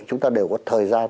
chúng ta đều có thời gian